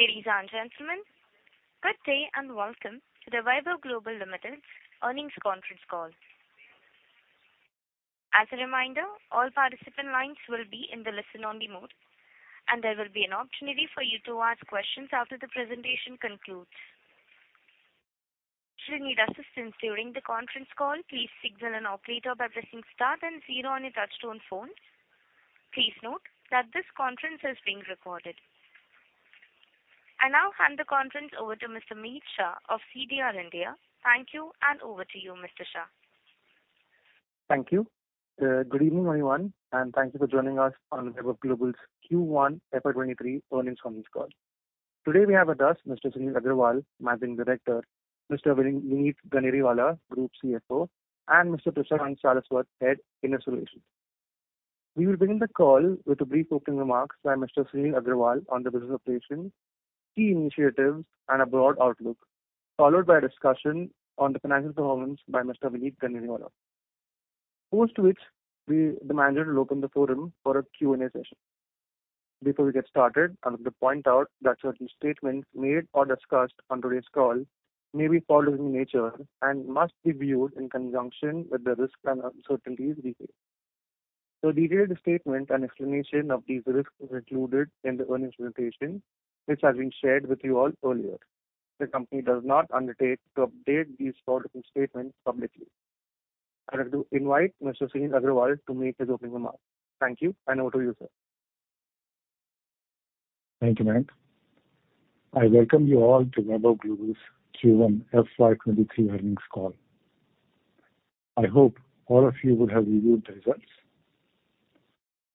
Ladies and gentlemen, good day and welcome to the Vaibhav Global Limited Earnings Conference Call. As a reminder, all participant lines will be in the listen-only mode, and there will be an opportunity for you to ask questions after the presentation concludes. Should you need assistance during the conference call, please signal an operator by pressing star then zero on your touchtone phone. Please note that this conference is being recorded. I now hand the conference over to Mr. Mit Shah of CDR India. Thank you, and over to you, Mr. Shah. Thank you. Good evening, everyone, and thank you for joining us on Vaibhav Global's Q1 FY 2023 earnings conference call. Today we have with us Mr. Sunil Agrawal, Managing Director, Mr. Vineet Ganeriwala, Group CFO, and Mr. Prashant Saraswat, Head, Investor Relations. We will begin the call with a brief opening remarks by Mr. Sunil Agrawal on the business operations, key initiatives, and a broad outlook, followed by a discussion on the financial performance by Mr. Vineet Ganeriwala. After which the management will open the floor for a Q&A session. Before we get started, I would like to point out that certain statements made or discussed on today's call may be forward-looking in nature and must be viewed in conjunction with the risks and uncertainties revealed. The revealed statement and explanation of these risks is included in the earnings presentation, which has been shared with you all earlier. The company does not undertake to update these forward-looking statements publicly. I would like to invite Mr. Sunil Agrawal to make his opening remarks. Thank you, and over to you, sir. Thank you, Meet. I welcome you all to Vaibhav Global's Q1 FY 2023 earnings call. I hope all of you would have reviewed the results.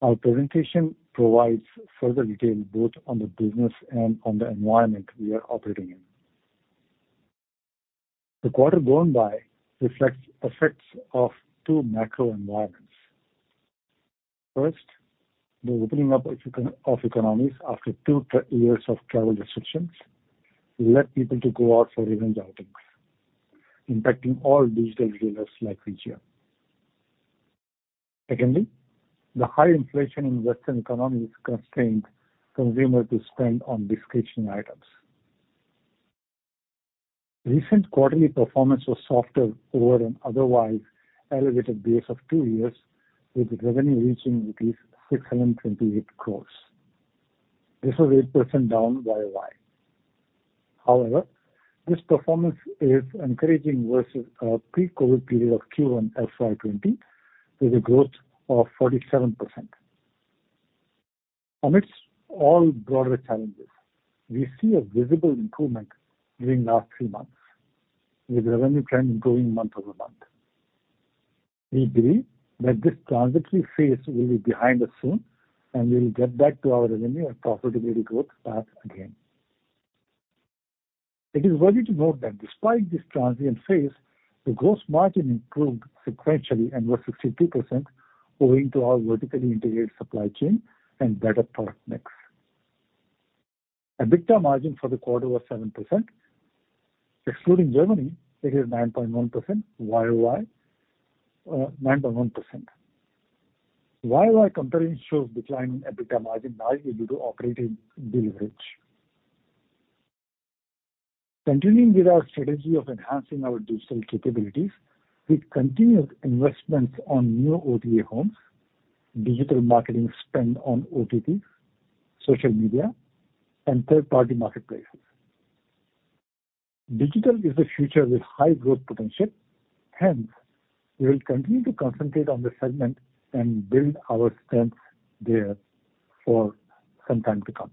Our presentation provides further details both on the business and on the environment we are operating in. The quarter gone by reflects effects of two macro environments. First, the opening up of economies after two years of travel restrictions led people to go out for revenge outings, impacting all digital retailers like VGL. Secondly, the high inflation in Western economies constrained consumers to spend on discretionary items. Recent quarterly performance was softer over an otherwise elevated base of two years, with revenue reaching 628 crores. This was 8% down YOY. However, this performance is encouraging versus our pre-COVID period of Q1 FY 2020, with a growth of 47%. Amidst all broader challenges, we see a visible improvement during last three months, with revenue trend improving month-over-month. We believe that this transitory phase will be behind us soon, and we will get back to our revenue and profitability growth path again. It is worthy to note that despite this transient phase, the gross margin improved sequentially and was 62% owing to our vertically integrated supply chain and better product mix. EBITDA margin for the quarter was 7%. Excluding Germany, it is 9.1% year-over-year, 9.1%. Year-over-year comparison shows decline in EBITDA margin largely due to operating deleverage. Continuing with our strategy of enhancing our digital capabilities, we continued investments on new OTA homes, digital marketing spend on OTT, social media, and third-party marketplaces. Digital is the future with high growth potential. Hence, we will continue to concentrate on this segment and build our strength there for some time to come.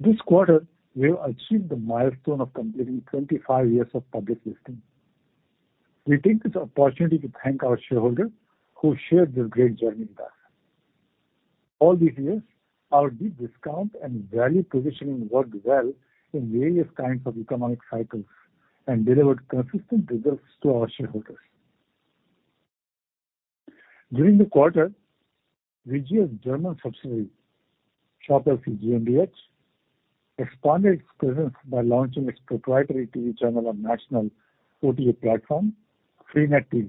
This quarter, we have achieved the milestone of completing 25 years of public listing. We take this opportunity to thank our shareholders who shared this great journey with us. All these years, our deep discount and value positioning worked well in various kinds of economic cycles and delivered consistent results to our shareholders. During the quarter, VGL's German subsidiary, Shop LC GmbH, expanded its presence by launching its proprietary TV channel on national OTA platform, freenet TV.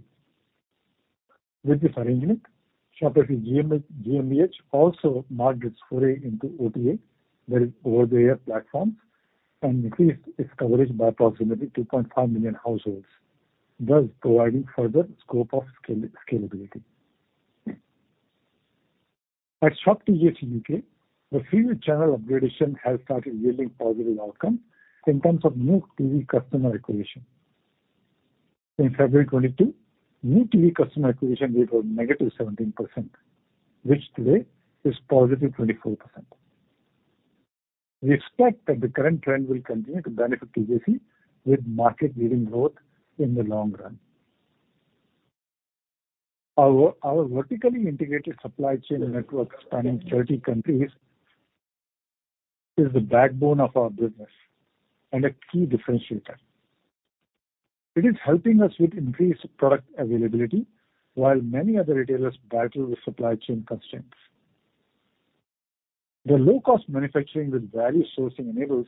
With this arrangement, Shop LC GmbH also marked its foray into OTA, that is over-the-air platforms, and increased its coverage by approximately 2.5 million households, thus providing further scope of scalability. At Shop TJC UK, the Freeview channel upgrade has started yielding positive outcomes in terms of new TV customer acquisition. In February 2022, new TV customer acquisition rate was -17%, which today is +24%. We expect that the current trend will continue to benefit TJC with market-leading growth in the long run. Our vertically integrated supply chain network spanning 30 countries is the backbone of our business and a key differentiator. It is helping us with increased product availability while many other retailers battle with supply chain constraints. The low-cost manufacturing with value sourcing enables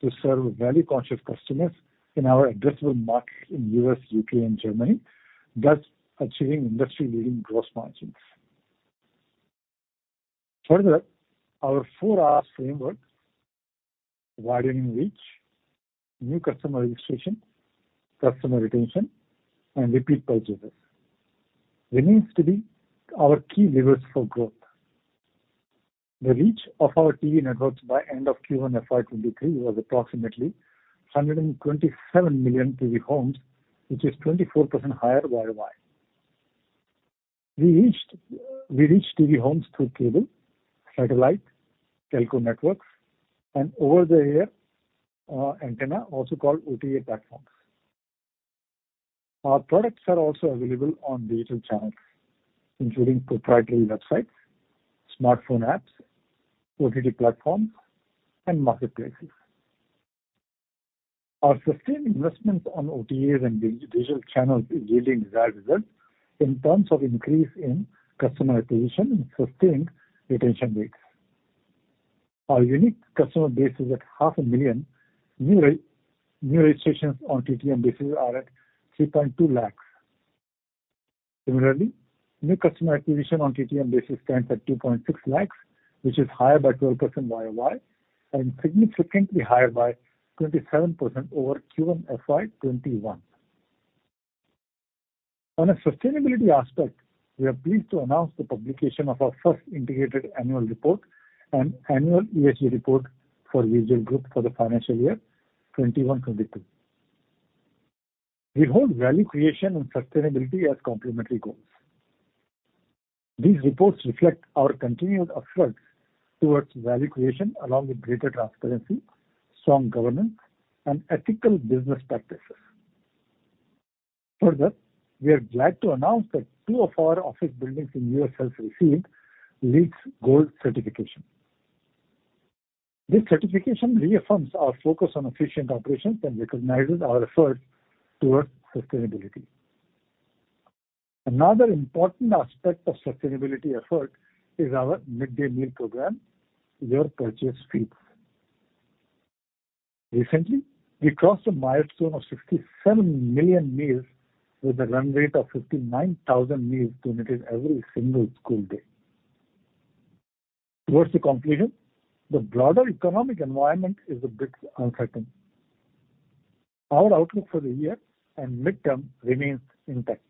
to serve value-conscious customers in our addressable markets in U.S., U.K., and Germany, thus achieving industry-leading gross margins. Further, our Four Rs framework, widening reach, new customer registration, customer retention, and repeat purchases remains to be our key levers for growth. The reach of our TV networks by end of Q1 FY 2023 was approximately 127 million TV homes, which is 24% higher year-over-year. We reach TV homes through cable, satellite, telco networks, and over-the-air antenna, also called OTA platforms. Our products are also available on digital channels, including proprietary websites, smartphone apps, OTT platforms, and marketplaces. Our sustained investments on OTAs and digital channels is yielding desired results in terms of increase in customer acquisition and sustained retention rates. Our unique customer base is at 0.5 million. New registrations on TTM basis are at 3.2 lakhs. Similarly, new customer acquisition on TTM basis stands at 2.6 lakhs, which is higher by 12% year-over-year and significantly higher by 27% over Q1 FY 2021. On a sustainability aspect, we are pleased to announce the publication of our first integrated annual report and annual ESG report for Vaibhav Global for the financial year 2021-2022. We hold value creation and sustainability as complementary goals. These reports reflect our continuous efforts towards value creation along with greater transparency, strong governance, and ethical business practices. Further, we are glad to announce that two of our office buildings in U.S. has received LEED Gold Certification. This certification reaffirms our focus on efficient operations and recognizes our efforts towards sustainability. Another important aspect of sustainability effort is our midday meal program, Your Purchase Feeds. Recently, we crossed a milestone of 67 million meals with a run rate of 59,000 meals donated every single school day. Towards the conclusion, the broader economic environment is a bit uncertain. Our outlook for the year and midterm remains intact.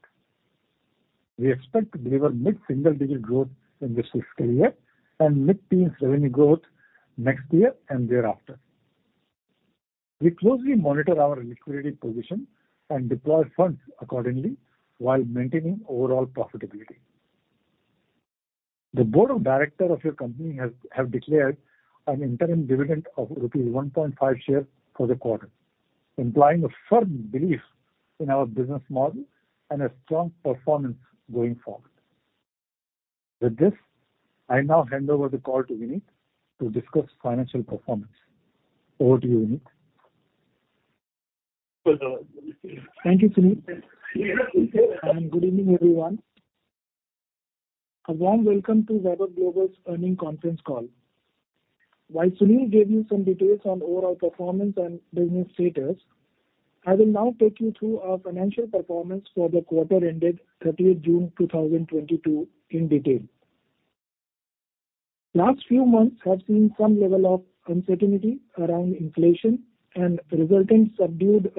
We expect to deliver mid-single digit growth in this fiscal year and mid-teens revenue growth next year and thereafter. We closely monitor our liquidity position and deploy funds accordingly while maintaining overall profitability. The board of directors of your company have declared an interim dividend of rupees 1.5 per share for the quarter, implying a firm belief in our business model and a strong performance going forward. With this, I now hand over the call to Vineet to discuss financial performance. Over to you, Vineet. Thank you, Sunil Agrawal, and good evening, everyone. A warm welcome to Vaibhav Global's earnings conference call. While Sunil Agrawal gave you some details on overall performance and business status, I will now take you through our financial performance for the quarter ended 30 June 2022 in detail. Last few months have seen some level of uncertainty around inflation and resulting subdued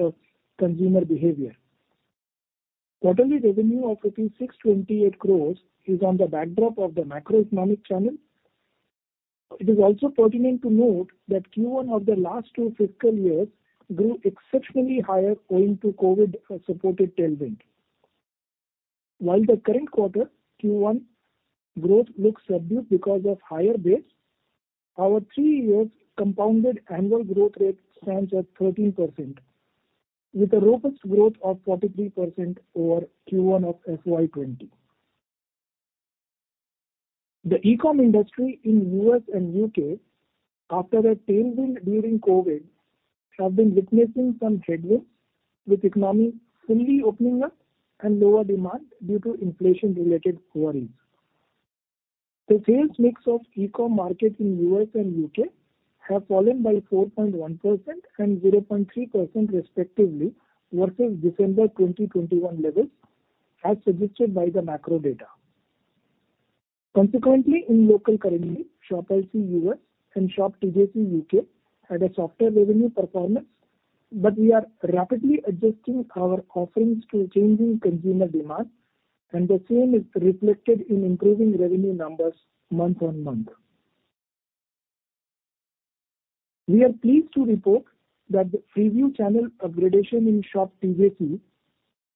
consumer behavior. Quarterly revenue of 628 crores is against the backdrop of the macroeconomic challenges. It is also pertinent to note that Q1 of the last two fiscal years grew exceptionally higher owing to COVID-supported tailwind. While the current quarter Q1 growth looks subdued because of higher base, our 3-year compound annual growth rate stands at 13% with a robust growth of 43% over Q1 of FY 2020. The e-com industry in U.S. and U.K., after a tailwind during COVID, have been witnessing some headwinds, with economy fully opening up and lower demand due to inflation-related worries. The sales mix of e-com market in U.S. and U.K. have fallen by 4.1% and 0.3% respectively versus December 2021 levels, as suggested by the macro data. Consequently, in local currency, Shop LC and Shop TJC had a softer revenue performance. We are rapidly adjusting our offerings to changing consumer demand, and the same is reflected in improving revenue numbers month-on-month. We are pleased to report that the preview channel upgradation in Shop TJC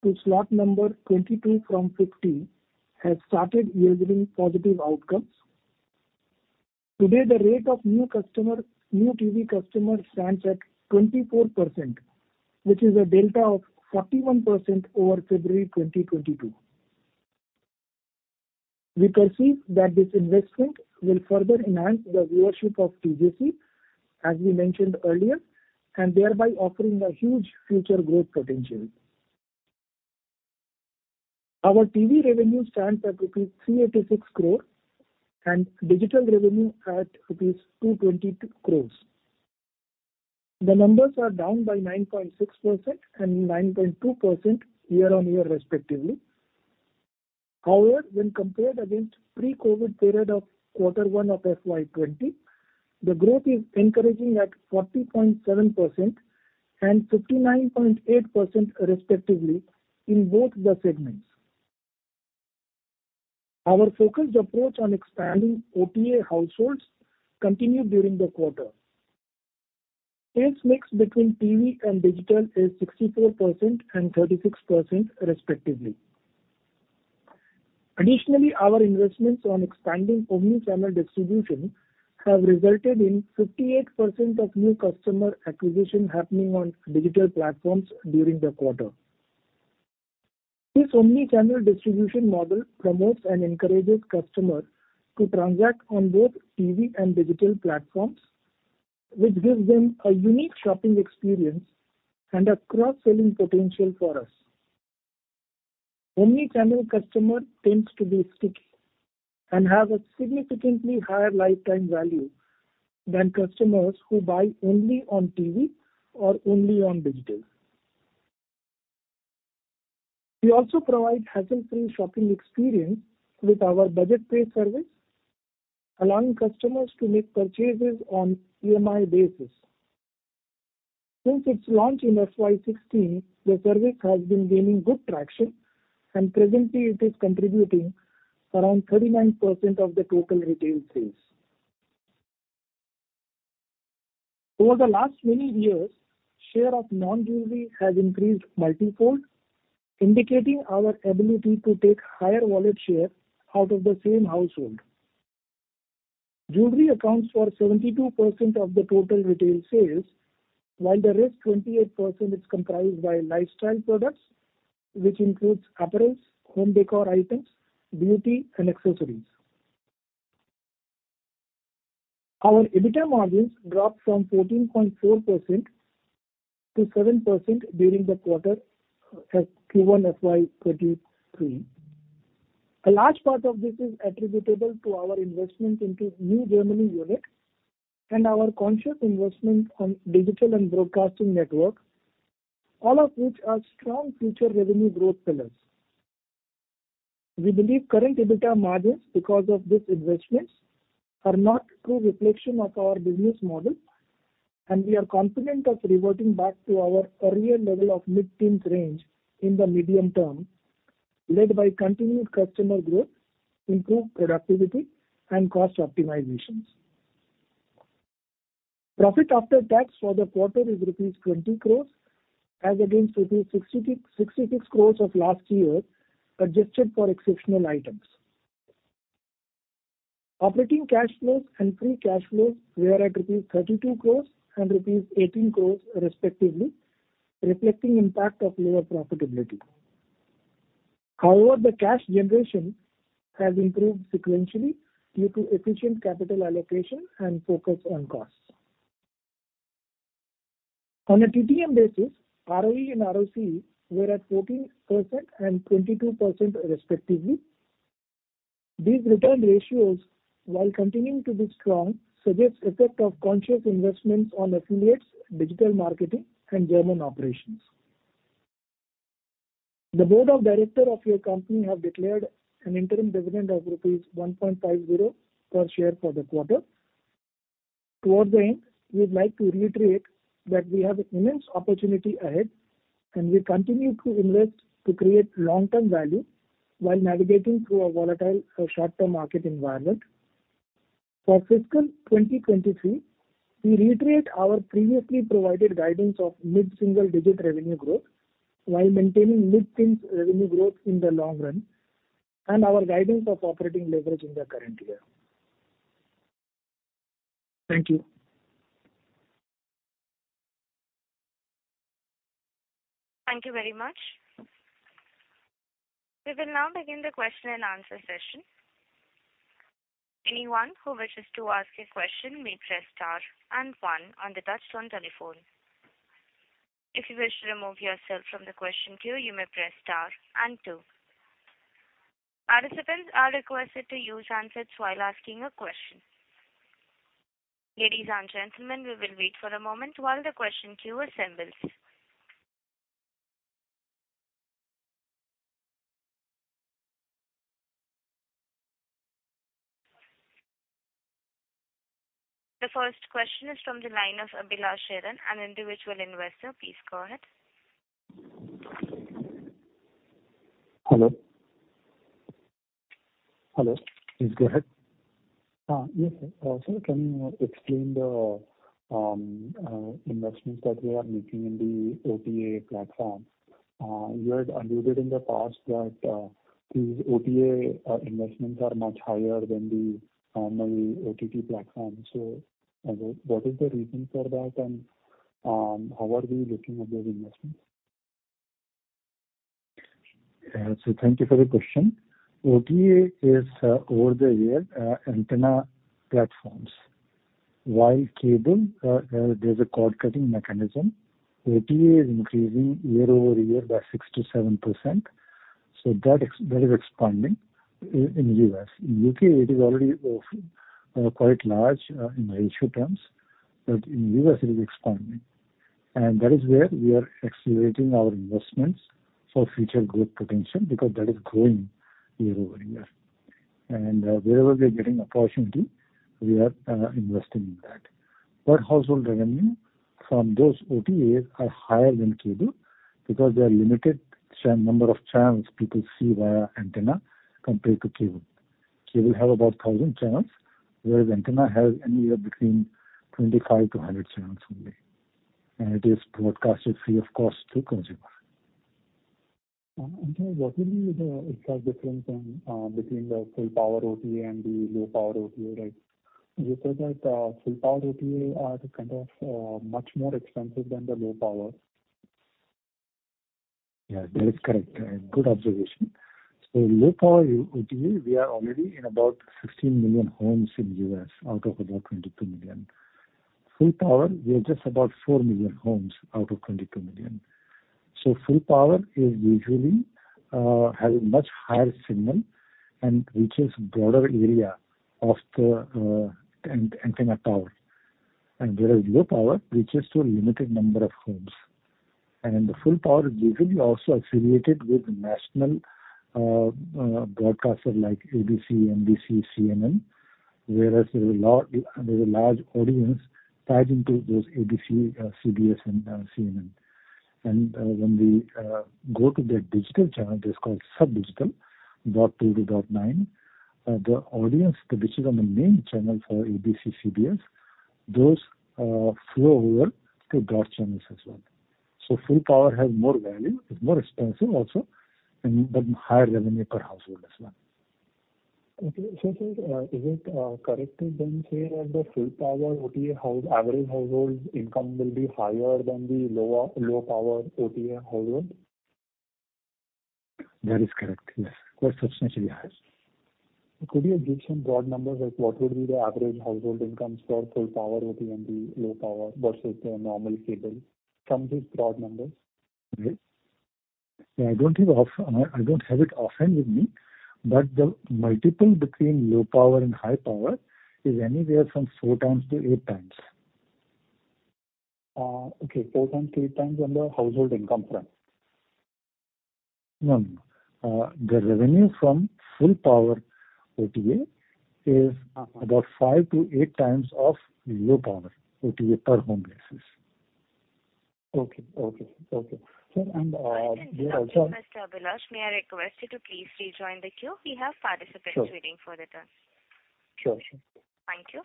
to slot number 22 from 50 has started yielding positive outcomes. Today, the rate of new TV customer stands at 24%, which is a delta of 41% over February 2022. We perceive that this investment will further enhance the viewership of TJC, as we mentioned earlier, and thereby offering a huge future growth potential. Our TV revenue stands at rupees 386 crore and digital revenue at rupees 220 crore. The numbers are down by 9.6% and 9.2% year-on-year respectively. However, when compared against pre-COVID period of quarter one of FY 2020, the growth is encouraging at 40.7% and 59.8% respectively in both the segments. Our focused approach on expanding OTA households continued during the quarter. Sales mix between TV and digital is 64% and 36% respectively. Additionally, our investments on expanding omni-channel distribution have resulted in 58% of new customer acquisition happening on digital platforms during the quarter. This omni-channel distribution model promotes and encourages customers to transact on both TV and digital platforms, which gives them a unique shopping experience and a cross-selling potential for us. Omni-channel customer tends to be sticky and have a significantly higher lifetime value than customers who buy only on TV or only on digital. We also provide hassle-free shopping experience with our Budget Pay service, allowing customers to make purchases on EMI basis. Since its launch in FY 2016, the service has been gaining good traction and presently it is contributing around 39% of the total retail sales. Over the last many years, share of non-jewelry has increased multi-fold, indicating our ability to take higher wallet share out of the same household. Jewelry accounts for 72% of the total retail sales, while the rest 28% is comprised by lifestyle products, which includes apparels, home décor items, beauty and accessories. Our EBITDA margins dropped from 14.4% to 7% during the quarter Q1 FY 2023. A large part of this is attributable to our investment into new Germany unit and our conscious investment on digital and broadcasting network, all of which are strong future revenue growth pillars. We believe current EBITDA margins because of these investments are not true reflection of our business model and we are confident of reverting back to our earlier level of mid-teens range in the medium term, led by continued customer growth, improved productivity and cost optimizations. Profit after tax for the quarter is rupees 20 crore as against rupees 66 crore of last year, adjusted for exceptional items. Operating cash flows and free cash flows were at rupees 32 crore and rupees 18 crore respectively, reflecting impact of lower profitability. However, the cash generation has improved sequentially due to efficient capital allocation and focus on costs. On a TTM basis, ROE and ROCE were at 14% and 22% respectively. These return ratios, while continuing to be strong, suggest effect of conscious investments on affiliates, digital marketing and German operations. The Board of Directors of your company have declared an interim dividend of rupees 1.50 per share for the quarter. Towards the end, we would like to reiterate that we have immense opportunity ahead and we continue to invest to create long-term value while navigating through a volatile, short-term market environment. For fiscal 2023, we reiterate our previously provided guidance of mid-single-digit revenue growth while maintaining mid-teens revenue growth in the long run and our guidance of operating leverage in the current year. Thank you. Thank you very much. We will now begin the question and answer session. Anyone who wishes to ask a question may press star and one on the touchtone telephone. If you wish to remove yourself from the question queue, you may press star and two. Participants are requested to use handsets while asking a question. Ladies and gentlemen, we will wait for a moment while the question queue assembles. The first question is from the line of Abhilash Sharan, an individual investor. Please go ahead. Hello? Hello.? Please go ahead. Yes, sir. Sir, can you explain the investments that we are making in the OTA platform? You had alluded in the past that these OTA investments are much higher than the OTT platform. What is the reason for that and how are we looking at those investments? Thank you for the question. OTA is over-the-air antenna platforms. While cable, there's a cord-cutting mechanism. OTA is increasing year-over-year by 6%-7%, so that is expanding in U.S.. In U.K., it is already quite large in ratio terms, but in U.S. it is expanding. That is where we are accelerating our investments for future growth potential because that is growing year-over-year. Wherever we are getting opportunity, we are investing in that. Per household revenue from those OTAs are higher than cable because there are limited number of channels people see via antenna compared to cable. Cable have about 1,000 channels, whereas antenna has anywhere between 25 channels-100 channels only, and it is broadcasted free of cost to consumer. Sunil Agrawal, what will be the exact difference between the full power OTA and the low power OTA, right? You said that full power OTA are kind of much more expensive than the low power. Yeah, that is correct. Good observation. Low power OTA, we are already in about 16 million homes in U.S. out of about 22 million. Full power, we are just about 4 million homes out of 22 million. Full power is usually has much higher signal and reaches broader area of the antenna power. Whereas low power reaches to a limited number of homes. The full power is usually also affiliated with national broadcasters like ABC, NBC, CNN. Whereas there is a large audience tied into those ABC, CBS and CNN. When we go to their digital channel, it is called sub-digital, 0.2-0.9. The audience, which is on the main channel for ABC, CBS, those flow over to. channels as well. Full power has more value. It's more expensive also, and the higher revenue per household as well. Okay. Sir, is it correct to then say that the full power OTA household average household income will be higher than the low power OTA household? That is correct. Yes. Good assumption you have. Could you give some broad numbers, like what would be the average household income for full power OTA and the low power versus the normal cable, some big, broad numbers? I don't have it offhand with me. The multiple between low power and high power is anywhere from 4x to 8x. Okay. 4x to 8x on the household income front. No, no. The revenue from full power OTA is about 4x-8x of low power OTA per home basis. Okay. Sir, and there are also- Mr. Abhilash, may I request you to please rejoin the queue? We have participants waiting for their turn. Sure, sure. Thank you.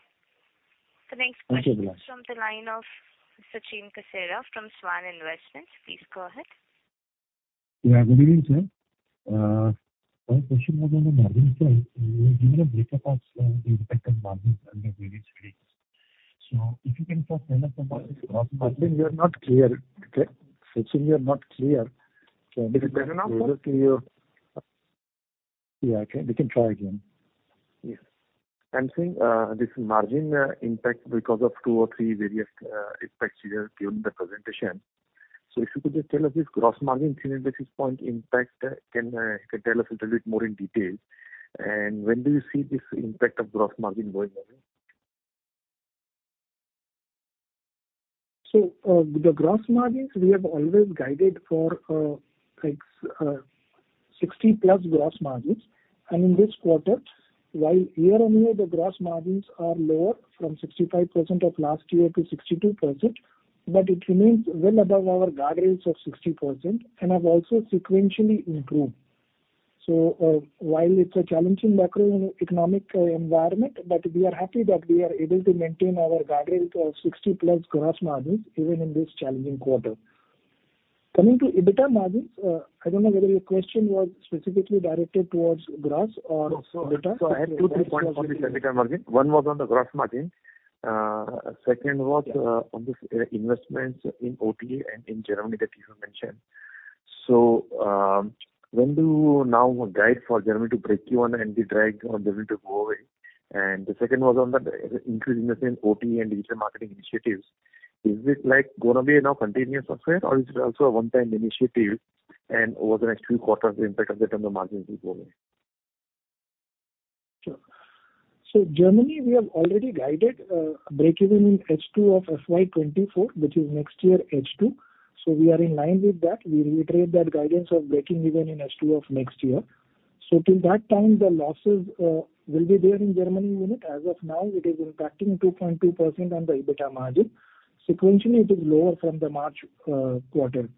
The next question comes from the line of Sachin Kasera from Svan Investment. Please go ahead. Yeah. Good evening, sir. My question was on the margin side. You have given a break-up of the impact on margins under various heads. If you can just tell us the margin- Sachin, you're not clear. Is it better now? Yeah, I can. We can try again. Yes. I'm saying this margin impact because of two or three various aspects you have given in the presentation. If you could just tell us this gross margin, 10 basis point impact, can tell us a little bit more in details? When do you see this impact of gross margin going away? The gross margins, we have always guided for, like, 60%+ gross margins. In this quarter, while year-on-year the gross margins are lower from 65% of last year to 62%, but it remains well above our guidance of 60% and have also sequentially improved. While it's a challenging macroeconomic environment, but we are happy that we are able to maintain our guidance of 60%+ gross margins even in this challenging quarter. Coming to EBITDA margins, I don't know whether your question was specifically directed towards gross or EBITDA. I have two, three points on the EBITDA margin. One was on the gross margin. Second was on this investments in OTA and in Germany that you have mentioned. When do you now guide for Germany to break even and the drag on Germany to go away? The second was on the increase in investment in OTA and digital marketing initiatives. Is it, like, gonna be a now continuous affair or is it also a one-time initiative and over the next few quarters the impact of that on the margins will go away? Sure. Germany, we have already guided breakeven in H2 of FY 2024, which is next year H2. We are in line with that. We reiterate that guidance of breaking even in H2 of next year. Till that time, the losses will be there in Germany unit. As of now, it is impacting 2.2% on the EBITDA margin. Sequentially, it is lower from the March quarter.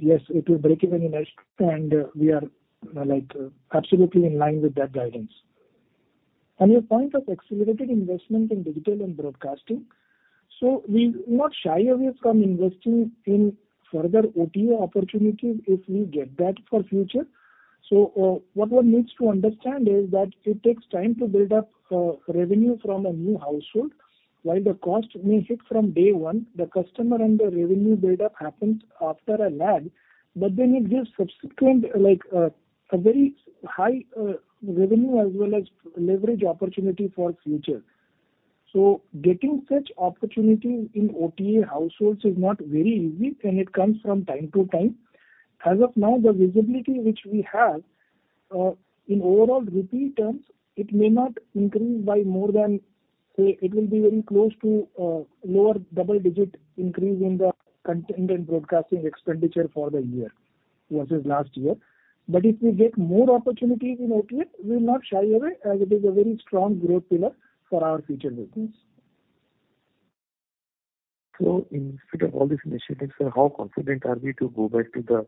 Yes, it will break even in H2, and we are, like, absolutely in line with that guidance. On your point of accelerated investment in digital and broadcasting, we'll not shy away from investing in further OTA opportunities if we get that for future. What one needs to understand is that it takes time to build up revenue from a new household. While the cost may hit from day one, the customer and the revenue build-up happens after a lag. It gives subsequent, like, a very high revenue as well as leverage opportunity for future. Getting such opportunity in OTA households is not very easy and it comes from time to time. As of now, the visibility which we have in overall rupee terms, it may not increase by more than, say, it will be very close to lower double-digit increase in the content and broadcasting expenditure for the year versus last year. If we get more opportunities in OTA, we will not shy away as it is a very strong growth pillar for our future business. In spite of all these initiatives, sir, how confident are we to go back to the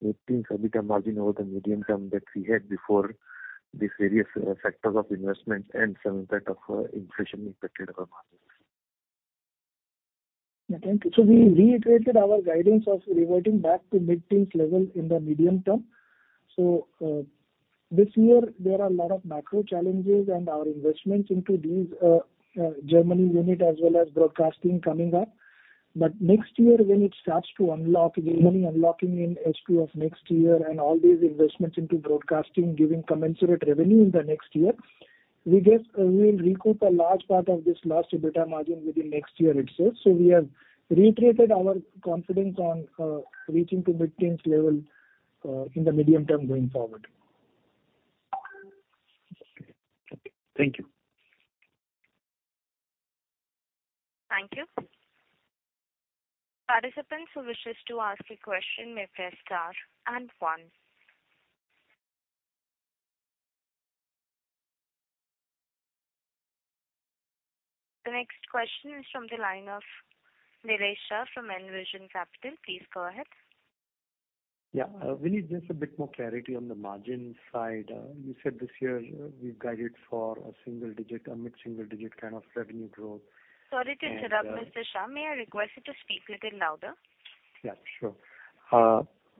mid-teens EBITDA margin over the medium term that we had before these various factors of investment and some impact of inflation impacted our margins? Yeah, thank you. We reiterated our guidance of reverting back to mid-teens level in the medium term. This year there are a lot of macro challenges and our investments into these Germany unit as well as broadcasting coming up. Next year when it starts to unlock, the money unlocking in H2 of next year and all these investments into broadcasting giving commensurate revenue in the next year, we guess, we will recoup a large part of this lost EBITDA margin within next year itself. We have reiterated our confidence on reaching to mid-teens level in the medium term going forward. Okay. Thank you. Thank you. Participants who wish to ask a question may press star and one. The next question is from the line of Nilesh Shah from Envision Capital. Please go ahead. Vineet, just a bit more clarity on the margin side. You said this year we've guided for a single-digit, mid-single-digit kind of revenue growth. Sorry to interrupt, Mr. Shah. May I request you to speak little louder? Yeah, sure.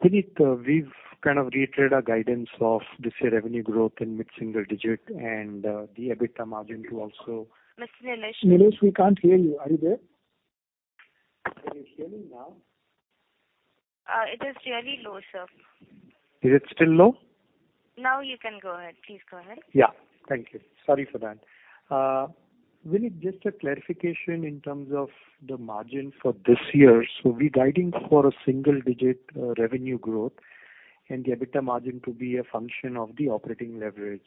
Vineet, we've kind of reiterated our guidance of this year's revenue growth in mid-single digit and the EBITDA margin to also- Mr. Nilesh Shah. Nilesh, we can't hear you. Are you there? Can you hear me now? It is very low, sir. Is it still low? Now you can go ahead. Please go ahead. Yeah. Thank you. Sorry for that. Vineet, just a clarification in terms of the margin for this year. We're guiding for a single digit revenue growth and the EBITDA margin to be a function of the operating leverage.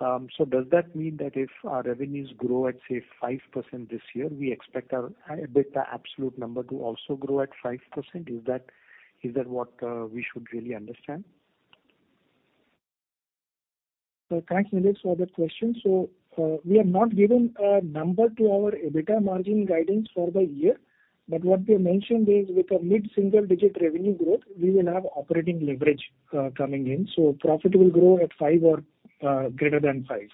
Does that mean that if our revenues grow at, say, 5% this year, we expect our EBITDA absolute number to also grow at 5%? Is that what we should really understand? Thanks, Nilesh, for that question. We have not given a number to our EBITDA margin guidance for the year, but what we have mentioned is with a mid-single digit revenue growth, we will have operating leverage coming in. Profit will grow at 5% or greater than 5%.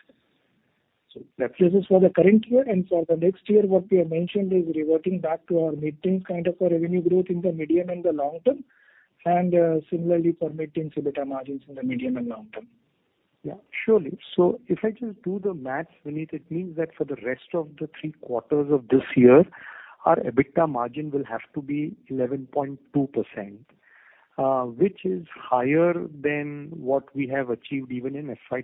That is for the current year. For the next year, what we have mentioned is reverting back to our mid-teens kind of a revenue growth in the medium and the long term. Similarly for mid-teens EBITDA margins in the medium and long term. Yeah. Surely. If I just do the math, Vineet, it means that for the rest of the three quarters of this year, our EBITDA margin will have to be 11.2%, which is higher than what we have achieved even in FY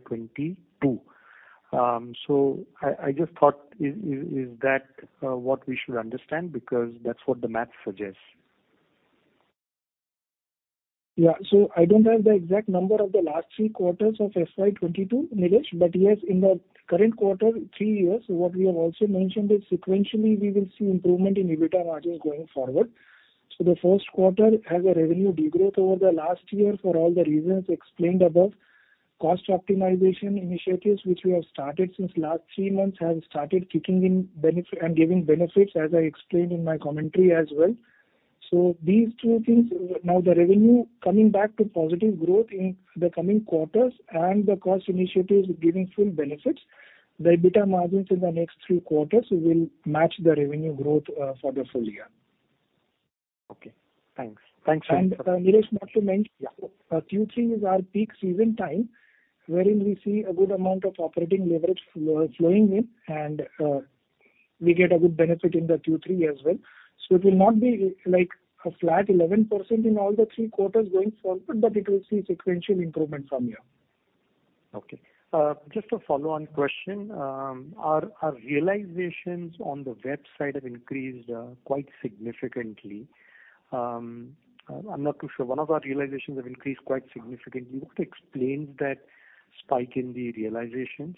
2022. I just thought, is that what we should understand because that's what the math suggests. Yeah. I don't have the exact number of the last 3 quarters of FY 2022, Nilesh. Yes, in the current quarter this year, what we have also mentioned is sequentially we will see improvement in EBITDA margin going forward. The first quarter has a revenue degrowth over the last year for all the reasons explained above. Cost optimization initiatives which we have started since last 3 months have started kicking in and giving benefits as I explained in my commentary as well. These two things, now the revenue coming back to positive growth in the coming quarters and the cost initiatives giving full benefits, the EBITDA margins in the next 3 quarters will match the revenue growth for the full year. Okay, thanks. Thanks very much. Nilesh, not to mention. Yeah. Q3 is our peak season time wherein we see a good amount of operating leverage flowing in and we get a good benefit in the Q3 as well. It will not be like a flat 11% in all the three quarters going forward, but it will see sequential improvement from here. Okay. Just a follow-on question. Our realizations on the web side have increased quite significantly. I'm not too sure. One of our realizations have increased quite significantly. What explains that spike in the realizations?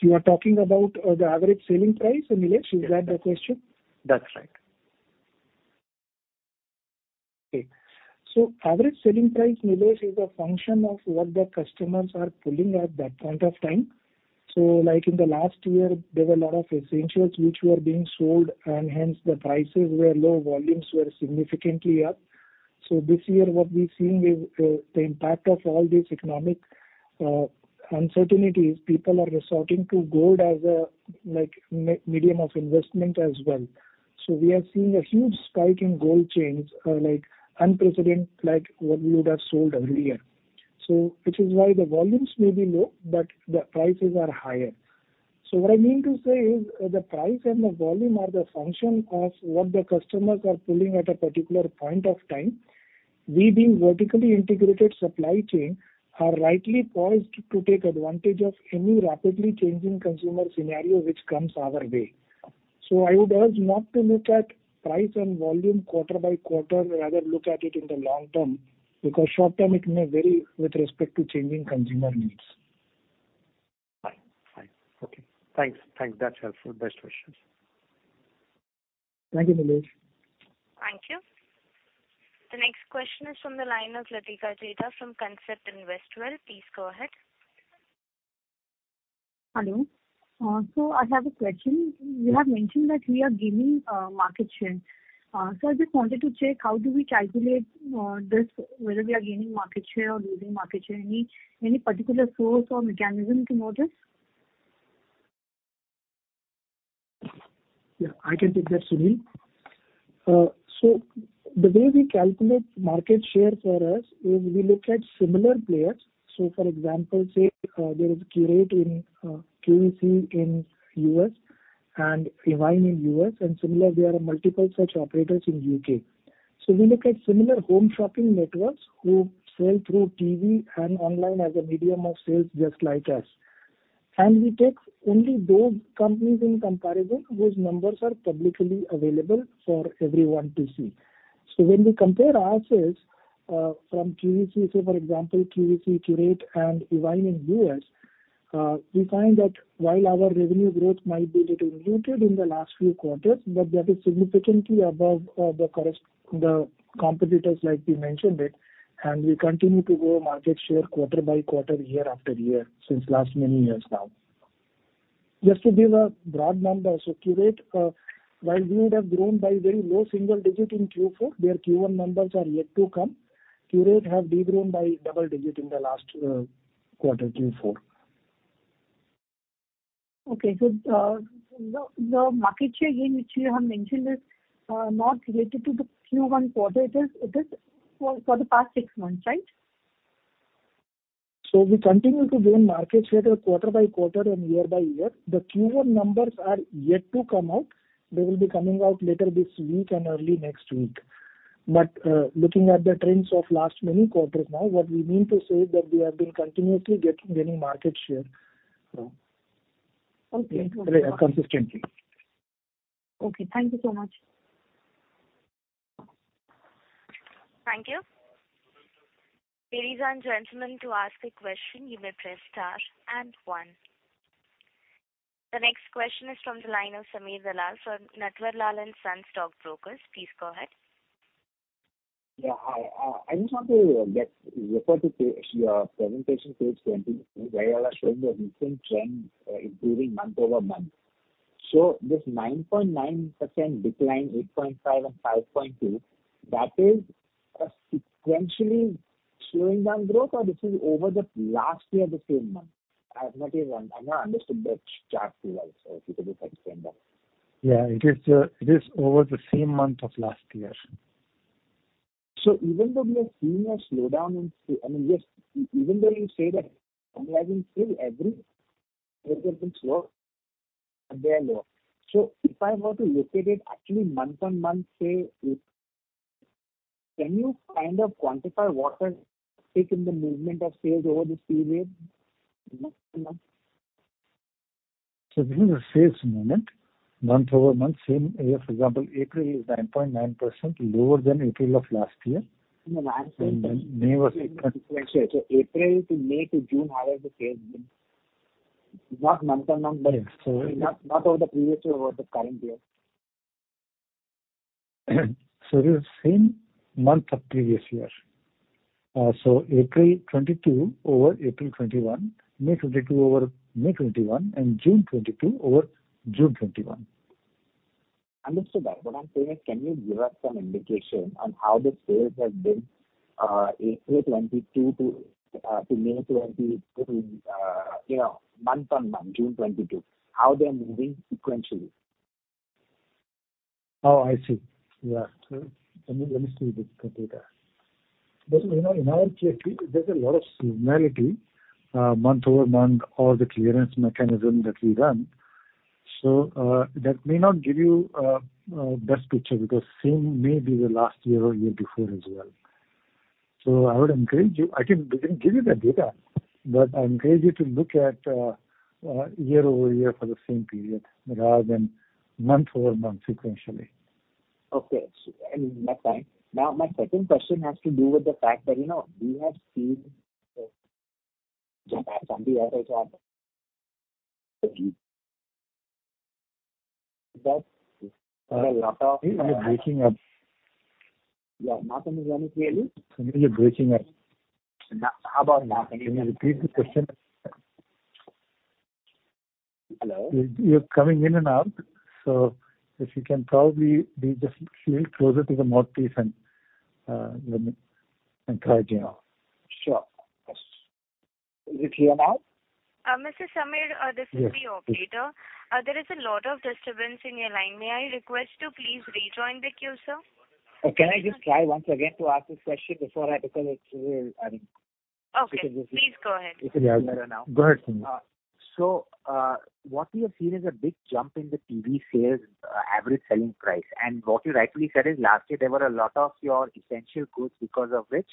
You are talking about the average selling price, Nilesh? Is that the question? That's right. Okay. Average selling price, Nilesh, is a function of what the customers are pulling at that point of time. Like in the last year, there were a lot of essentials which were being sold and hence the prices were low, volumes were significantly up. This year what we're seeing is the impact of all these economic uncertainties. People are resorting to gold as a, like, medium of investment as well. We are seeing a huge spike in gold chains, like unprecedented, like what we would have sold every year. Which is why the volumes may be low, but the prices are higher. What I mean to say is the price and the volume are the function of what the customers are pulling at a particular point of time. We being vertically integrated supply chain are rightly poised to take advantage of any rapidly changing consumer scenario which comes our way. I would urge not to look at price and volume quarter by quarter, rather look at it in the long term, because short term it may vary with respect to changing consumer needs. Fine. Okay. Thanks. That's helpful. Best wishes. Thank you, Nilesh. Thank you. The next question is from the line of Latika Jetha from Concept Investwell. Please go ahead. Hello. I have a question. You have mentioned that we are gaining market share. I just wanted to check how do we calculate this, whether we are gaining market share or losing market share? Any particular source or mechanism to know this? Yeah, I can take that, Sunil. The way we calculate market share for us is we look at similar players. For example, say, there is Qurate in, QVC in U.S. and Evine in U.S. and similar there are multiple such operators in U.K. We look at similar home shopping networks who sell through TV and online as a medium of sales just like us. We take only those companies in comparison whose numbers are publicly available for everyone to see. When we compare our sales from QVC, say for example, QVC, Qurate and Evine in U.S., we find that while our revenue growth might be little muted in the last few quarters, but that is significantly above the competitors like we mentioned it, and we continue to grow market share quarter by quarter, year after year since last many years now. Just to give a broad number, Qurate, while we would have grown by very low single digit in Q4, their Q1 numbers are yet to come. Qurate have de-grown by double digit in the last quarter, Q4. Okay. The market share gain which you have mentioned is not related to the Q1 quarter. It is for the past six months, right? We continue to gain market share quarter by quarter and year by year. The Q1 numbers are yet to come out. They will be coming out later this week and early next week. Looking at the trends of last many quarters now, what we mean to say is that we have been continuously gaining market share. Okay. Consistently. Okay, thank you so much. Thank you. Ladies and gentlemen, to ask a question, you may press star and one. The next question is from the line of Sameer Dalal for Natverlal & Sons Stockbrokers. Please go ahead. Yeah, hi. I just want to refer to page, your presentation page 20 where you are showing the recent trends, improving month-over-month. This 9.9% decline, 8.5% and 5.2%, that is a sequentially slowing down growth or this is over the last year the same month? I've not understood the chart visuals, so if you could just explain that. Yeah, it is over the same month of last year. Even though we are seeing a slowdown in—I mean, just even though you say that online sales every day they are lower. If I were to look at it actually month-on-month, say, can you kind of quantify what is the peak in the movement of sales over this period, month-to-month? This is a sales movement month-over-month, same year. For example, April is 9.9% lower than April of last year. No, no, I'm saying April to May to June, how has the sales been? Not month-on-month, not over the previous year, over the current year. This is same month of previous year. April 2022 over April 2021, May 2022 over May 2021, and June 2022 over June 2021. Understood that. What I'm saying is can you give us some indication on how the sales have been, April 2022 to May 2023, you know, month-on-month, June 2022, how they are moving sequentially? Oh, I see. Yeah. Let me see the data. You know, in our case there's a lot of seasonality, month-over-month or the clearance mechanism that we run. That may not give you the best picture because the same maybe the last year or year before as well. I would encourage you. We can give you the data, but I encourage you to look at year-over-year for the same period rather than month-over-month sequentially. Okay. I mean, my time. Now my second question has to do with the fact that, you know, we have seen You're breaking up. Yeah. Not understanding clearly? Sunil, you're breaking up. How about now? Can you hear me? Can you repeat the question? Hello? You're coming in and out. If you can probably be just little closer to the mouthpiece and let me encourage, you know. Sure. Yes. Is it clear now? Mr. Sameer, this is the operator. There is a lot of disturbance in your line. May I request to please rejoin the queue, sir? Oh, can I just try once again to ask this question. Because it's, I mean. Okay. Please go ahead. Go ahead, Sameer. What we have seen is a big jump in the TV sales, average selling price. What you rightly said is last year there were a lot of your essential goods because of which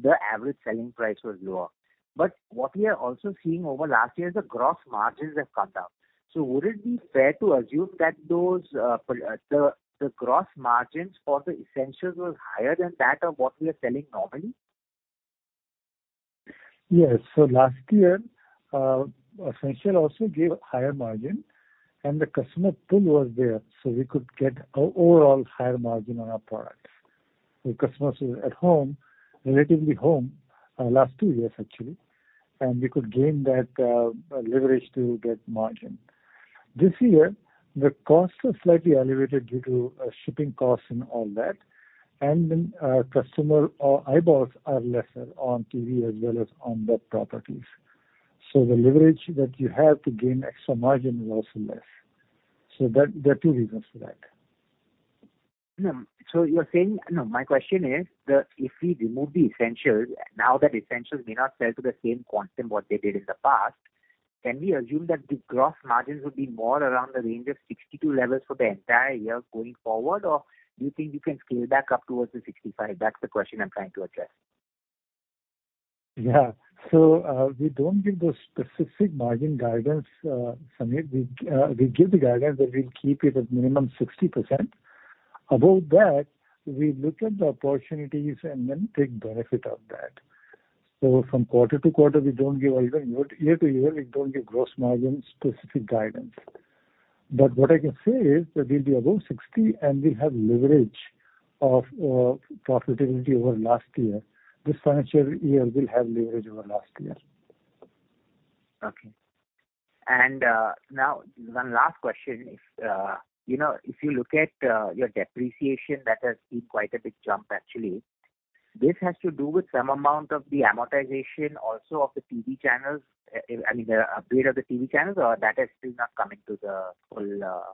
the average selling price was lower. What we are also seeing over last year is the gross margins have come down. Would it be fair to assume that those, the gross margins for the essentials was higher than that of what we are selling normally? Yes. Last year, essential also gave higher margin and the customer pull was there, so we could get overall higher margin on our product. The customers were at home, relatively home, last two years actually, and we could gain that leverage to get margin. This year, the costs are slightly elevated due to shipping costs and all that. Customer or eyeballs are lesser on TV as well as on the properties. The leverage that you have to gain extra margin is also less. That there are two reasons for that. No, my question is, if we remove the essentials, now that essentials may not sell to the same quantity what they did in the past, can we assume that the gross margins would be more around the range of 62% for the entire year going forward? Or do you think you can scale back up towards the 65%? That's the question I'm trying to address. Yeah. We don't give those specific margin guidance, Sameer. We give the guidance that we'll keep it at minimum 60%. Above that, we look at the opportunities and then take benefit of that. From quarter to quarter we don't give either. Year to year, we don't give gross margin specific guidance. What I can say is that we'll be above 60% and we have leverage of profitability over last year. This financial year will have leverage over last year. Okay. Now one last question. If you know, if you look at your depreciation, that has seen quite a big jump actually. This has to do with some amount of the amortization also of the TV channels, I mean, the upgrade of the TV channels or that is still not coming to the full. Uh-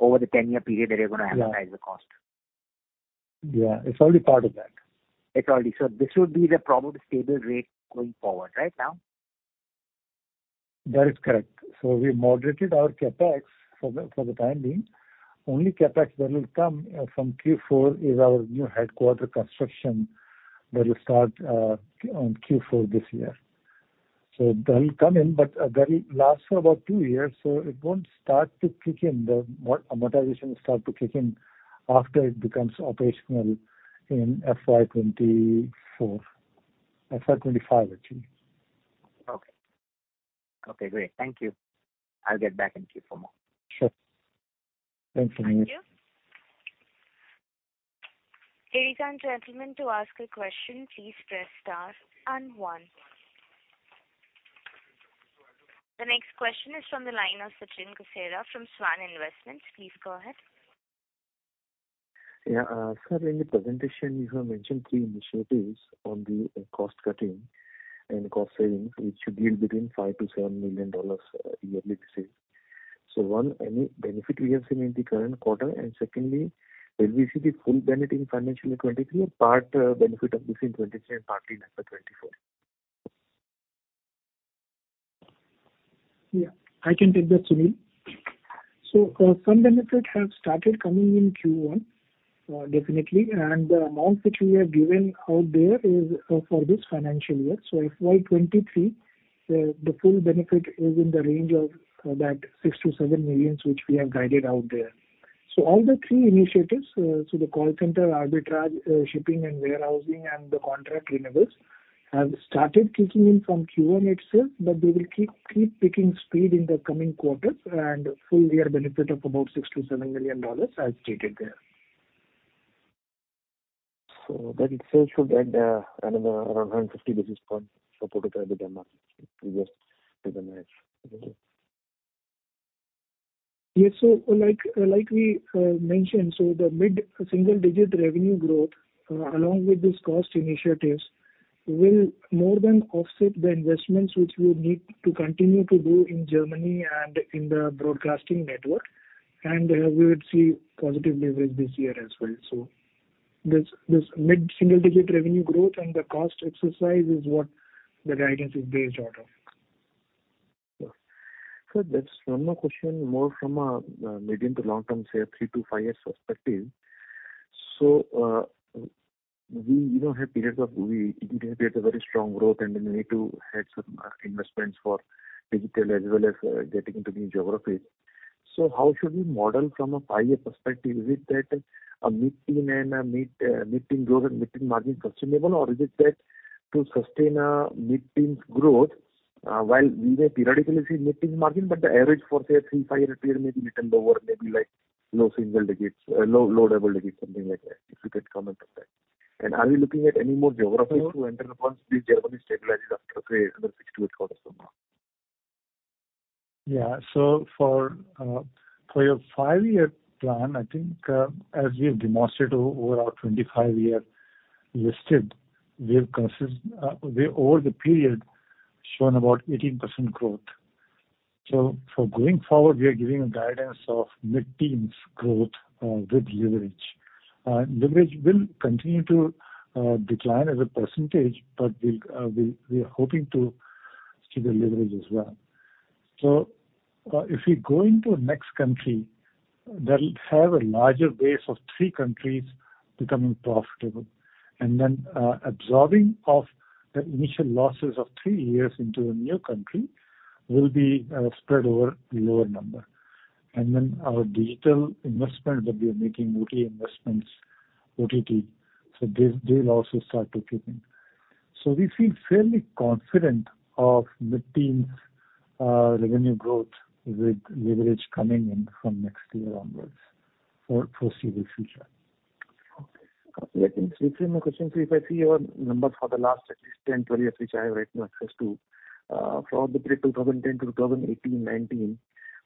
Over the 10-year period that you're gonna. Yeah. amortize the cost. Yeah. It's already part of that. It's already. This would be the probably stable rate going forward right now? That is correct. We moderated our CapEx for the time being. Only CapEx that will come from Q4 is our new headquarters construction that will start on Q4 this year. That will come in, but that'll last for about two years, so it won't start to kick in. Amortization will start to kick in after it becomes operational in FY 2024. FY 2025 actually. Okay. Okay, great. Thank you. I'll get back in queue for more. Sure. Thanks, Sameer. Thank you. Ladies and gentlemen, to ask a question, please press star and one. The next question is from the line of Sachin Kasera from Svan Investment. Please go ahead. Yeah. Sir, in the presentation you have mentioned three initiatives on the cost cutting and cost savings which should yield between $5 million-$7 million yearly savings. One, any benefit we have seen in the current quarter? Secondly, will we see the full benefit in financial 2023 or partial benefit of this in 2023 and partly in 2024? Yeah, I can take that, Sunil. Some benefit have started coming in Q1, definitely. The amount which we have given out there is for this financial year. FY 2023, the full benefit is in the range of $6 million-$7 million which we have guided out there. All the three initiatives, the call center, arbitrage, shipping and warehousing and the contract renewables have started kicking in from Q1 itself, but they will keep picking speed in the coming quarters and full year benefit of about $6 million-$7 million as stated there. That itself should add another around 150 basis points for profitable EBITDA margin previous to the next fiscal year. Yes. Like we mentioned, the mid-single-digit revenue growth, along with this cost initiatives will more than offset the investments which we would need to continue to do in Germany and in the broadcasting network. We would see positive leverage this year as well. This mid-single-digit revenue growth and the cost exercise is what the guidance is based out of. Sure. Sir, there's one more question from a medium- to long-term, say a 3-year to 5-year perspective. We, you know, have periods of very strong growth and then we need to have some investments for digital as well as getting into new geographies. How should we model from a 5-year perspective? Is it that a mid-teen and a mid-teen growth and mid-teen margin sustainable? Or is it that to sustain a mid-teens growth, while we may periodically see mid-teen margin, but the average for, say a 3-year to 5-year period may be little lower, maybe like low single digits, low double digits, something like that. If you could comment on that. Are we looking at any more geographies to enter once Germany stabilizes after, say, another 6 quarters-8 quarters from now? Yeah. For your 5-year plan, I think, as we have demonstrated over our 25-year listed, we have over the period shown about 18% growth. For going forward, we are giving a guidance of mid-teens growth, with leverage. Leverage will continue to decline as a percentage, but we are hoping to see the leverage as well. If we go into the next country, they'll have a larger base of three countries becoming profitable. Absorbing of the initial losses of three years into a new country will be spread over a lower number. Our digital investment that we are making, OTT investments, OTT, so they'll also start to kick in. We feel fairly confident of mid-teens revenue growth with leverage coming in from next year onwards for foreseeable future. Okay. Yeah, I think between my questions, if I see your numbers for the last at least 10 years-12 years, which I have right now access to, from the period 2010 to 2018, 2019,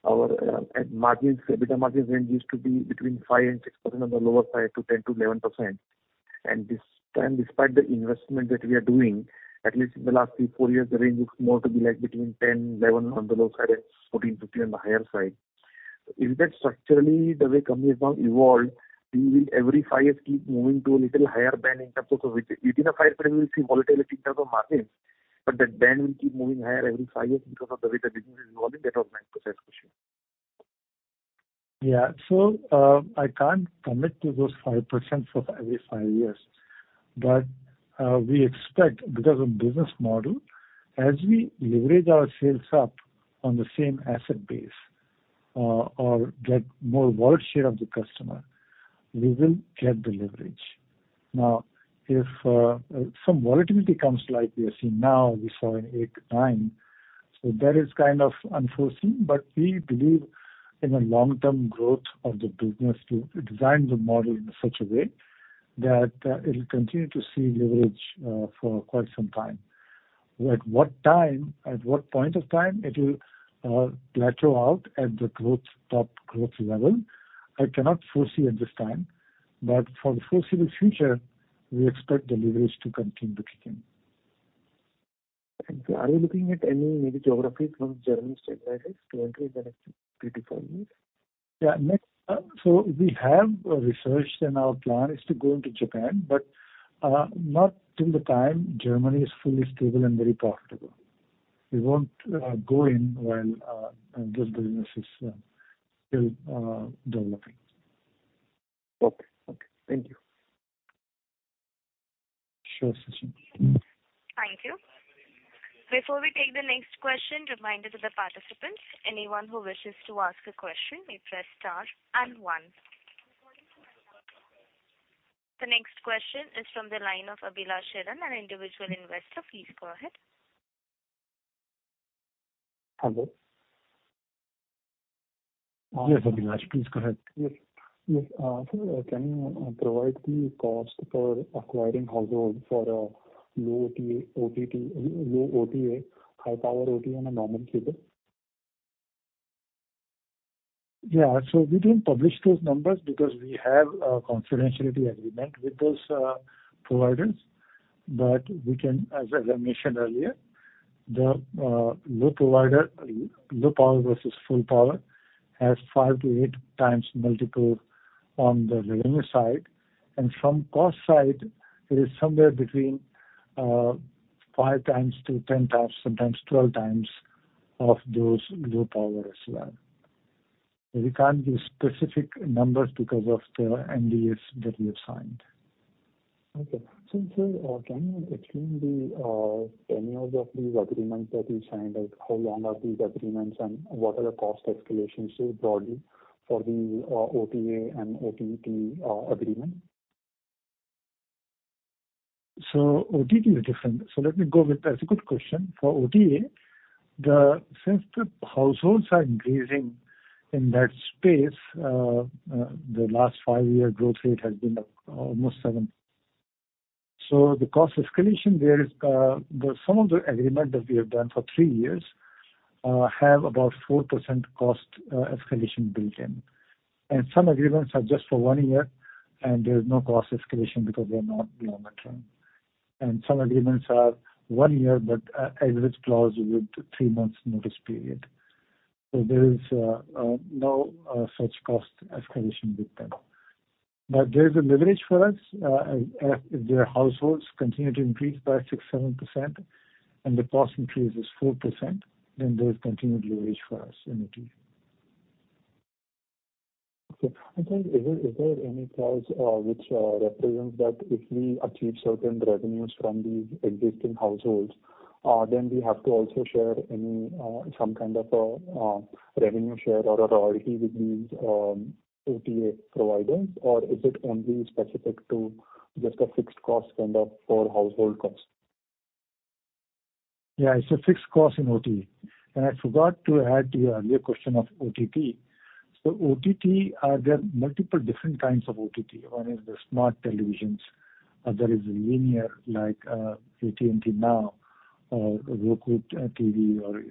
our margins, EBITDA margins range used to be between 5%-6% on the lower side to 10%-11%. This time, despite the investment that we are doing, at least in the last 3 years-4 years, the range is more to be like between 10%-11% on the low side and 14%-15% on the higher side. Is that structurally the way the company has now evolved? We will every 5 years keep moving to a little higher band in terms of. Within 5%, we will see volatility in terms of margins, but the band will keep moving higher every five years because of the way the business is evolving. That was my first question. Yeah, I can't commit to those 5% for every five years. We expect because of business model, as we leverage our sales up on the same asset base, or get more wallet share of the customer, we will get the leverage. Now, if some volatility comes like we are seeing now, we saw in 2008-2009, so that is kind of unforeseen. We believe in the long-term growth of the business to design the model in such a way that it'll continue to see leverage for quite some time. At what time, at what point of time it will plateau out at the growth, top growth level, I cannot foresee at this time. For the foreseeable future, we expect the leverage to continue to kick in. Are you looking at any maybe geographies from Germany standpoint to enter in the next 3 years-5 years? Yeah. Next. We have researched, and our plan is to go into Japan, but not till the time Germany is fully stable and very profitable. We won't go in when this business is still developing. Okay. Thank you. Sure, Sachin. Thank you. Before we take the next question, reminder to the participants, anyone who wishes to ask a question may press star and one. The next question is from the line of Abhilash Saran, an individual investor. Please go ahead. Hello. Yes, Abhilash, please go ahead. Yes. Sir, can you provide the cost for acquiring households for low OTA, OTT, low OTA, high power OTA and normal cable? Yeah. We don't publish those numbers because we have a confidentiality agreement with those providers. We can, as I mentioned earlier, the low power versus full power has 5x-8x multiple on the revenue side. From cost side, it is somewhere between 5x-10x, sometimes 12x of those low power as well. We can't give specific numbers because of the NDAs that we have signed. Okay. Since can you explain the tenures of these agreements that you signed? Like, how long are these agreements, and what are the cost escalations so broadly for the OTA and OTT agreement? OTT is different. Let me go with that. That's a good question. For OTA, since the households are increasing in that space, the last five-year growth rate has been almost 7%. The cost escalation there is some of the agreements that we have done for three years have about 4% cost escalation built in. Some agreements are just for one year, and there's no cost escalation because they're not long-term. Some agreements are one year, but with an exit clause with three months notice period. There is no such cost escalation with them. There's a leverage for us. If their households continue to increase by 6%-7% and the cost increase is 4%, then there's continued leverage for us in OTT. Okay. I think is there any clause which represents that if we achieve certain revenues from these existing households, then we have to also share any some kind of a revenue share or a royalty with these OTA providers? Or is it only specific to just a fixed cost kind of per household cost? Yeah. It's a fixed cost in OTA. I forgot to add to your earlier question of OTT. OTT, there are multiple different kinds of OTT. One is the smart televisions. There is linear like AT&T Now, Roku TV or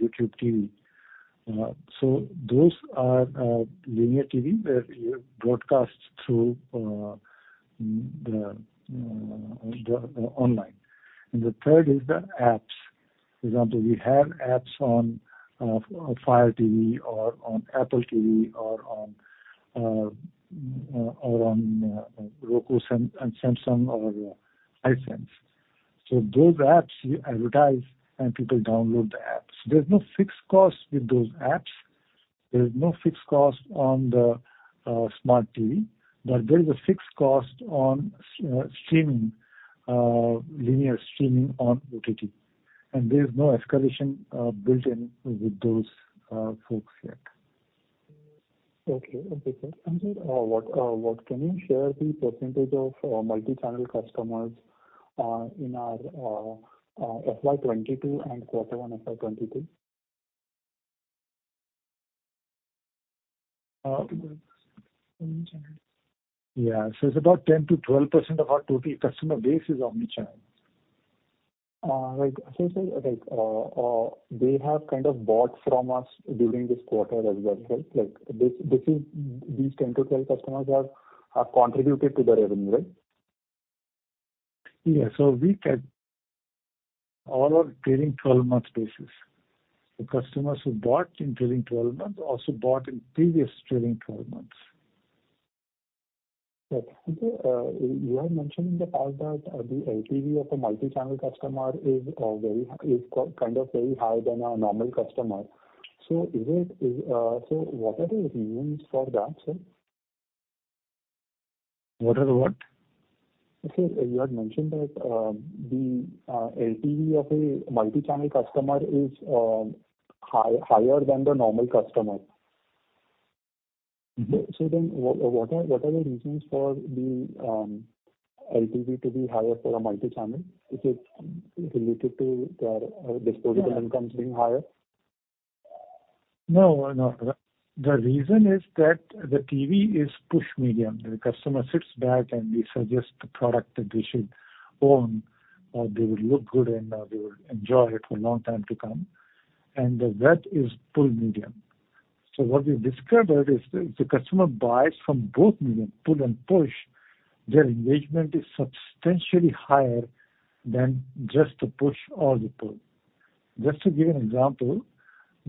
YouTube TV. Those are linear TV where you broadcast through the online. The third is the apps. For example, we have apps on Fire TV or on Apple TV or on Roku and Samsung or Hisense. Those apps we advertise and people download the apps. There's no fixed cost with those apps. There's no fixed cost on the smart TV. There is a fixed cost on streaming linear streaming on OTT. There is no escalation built in with those folks yet. Okay, sir. Can you share the percentage of multi-channel customers in our FY 2022 and quarter one of FY 2022? It's about 10%-12% of our total customer base is omni-channel. Like, they have kind of bought from us during this quarter as well, right? Like, these 10 customers-12 customers have contributed to the revenue, right? All our trailing 12 months basis. The customers who bought in trailing twelve months also bought in previous trailing 12 months. You have mentioned in the past that the LTV of a multi-channel customer is kind of very higher than our normal customer. What are the reasons for that, sir? What are the what? Sir, you had mentioned that the LTV of a multi-channel customer is higher than the normal customer. Mm-hmm. What are the reasons for the LTV to be higher for a multi-channel? Is it related to their disposable incomes being higher? No, no. The reason is that the TV is push medium. The customer sits back and we suggest the product that they should own, or they will look good and they will enjoy it for a long time to come. The web is pull medium. What we've discovered is if the customer buys from both medium, pull and push, their engagement is substantially higher than just the push or the pull. Just to give an example,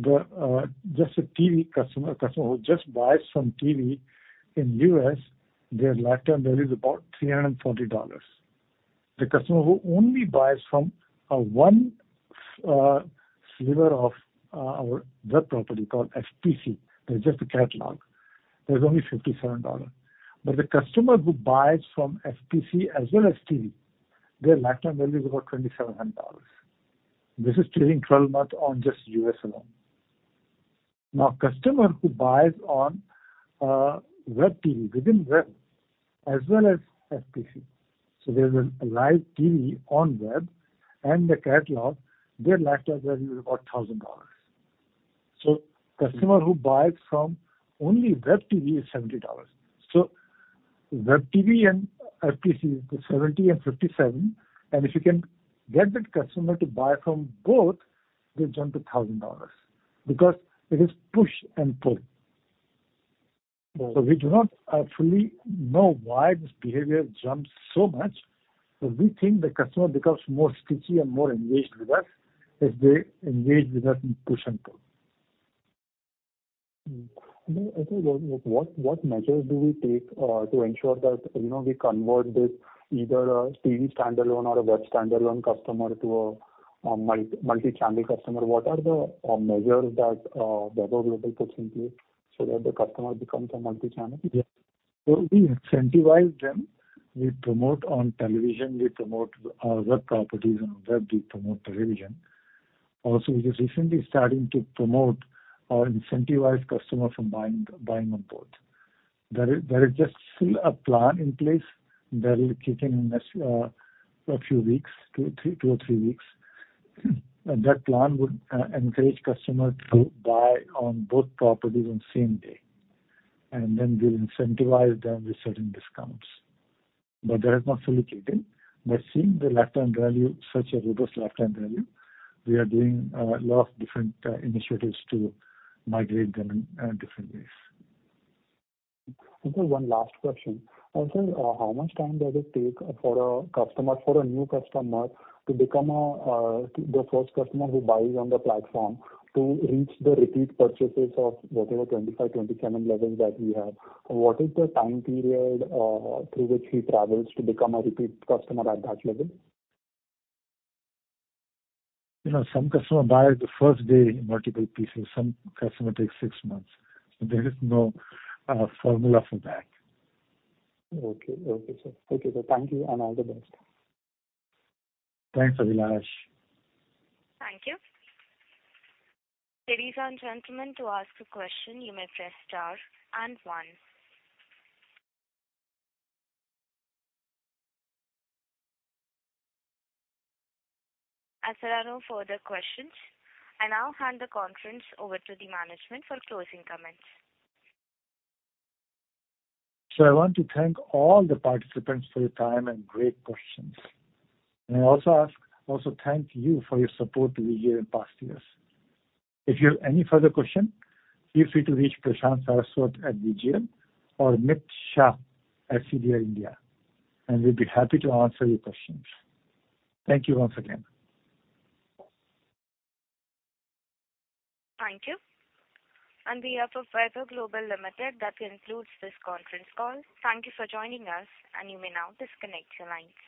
just a TV customer, a customer who just buys from TV in U.S., their lifetime value is about $340. The customer who only buys from one sliver of our web property called FPC, that is just a catalog, that's only $57. The customer who buys from FPC as well as TV, their lifetime value is about $2,700. This is trailing twelve month on just U.S. alone. Now, customer who buys on web TV, within web as well as FPC, so there's a live TV on web and the catalog, their lifetime value is about $1,000. Customer who buys from only web TV is $70. Web TV and FPC is the $70 and $57, and if you can get that customer to buy from both, they jump to $1,000 because it is push and pull. We do not fully know why this behavior jumps so much, but we think the customer becomes more sticky and more engaged with us as they engage with us in push and pull. What measures do we take to ensure that, you know, we convert this either a TV standalone or a web standalone customer to a multi-channel customer? What are the measures that Vaibhav Global puts in place so that the customer becomes a multi-channel? We incentivize them. We promote on television, we promote our web properties. On web, we promote television. Also, we are recently starting to promote or incentivize customers to buy on both. There is just still a plan in place that will kick in next a few weeks, two or three weeks. That plan would encourage customers to buy on both properties on same day. Then we'll incentivize them with certain discounts. That has not fully kicked in. Seeing the lifetime value, such a robust lifetime value, we are doing lot of different initiatives to migrate them in different ways. Okay, one last question. Also, how much time does it take for a new customer, the first customer who buys on the platform, to reach the repeat purchases of whatever 257 levels-27 levels that we have? What is the time period through which he travels to become a repeat customer at that level? You know, some customer buy the first day multiple pieces. Some customer takes six months. There is no formula for that. Okay, sir. Thank you, and all the best. Thanks, Abhilash. Thank you. Ladies and gentlemen, to ask a question, you may press star and one. As there are no further questions, I now hand the conference over to the management for closing comments. I want to thank all the participants for your time and great questions. May I also thank you for your support to VGL in past years. If you have any further question, feel free to reach Prashant Saraswat at VGL or Mit Shah at CDR India, and we'll be happy to answer your questions. Thank you once again. Thank you. On behalf of Vaibhav Global Limited, that concludes this conference call. Thank you for joining us, and you may now disconnect your line.